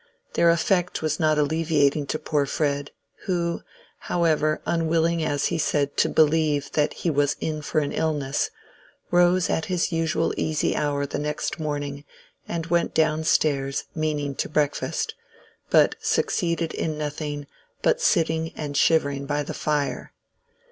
Their effect was not alleviating to poor Fred, who, however, unwilling as he said to believe that he was "in for an illness," rose at his usual easy hour the next morning and went down stairs meaning to breakfast, but succeeded in nothing but in sitting and shivering by the fire.